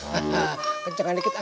keceng kenceng dikit ah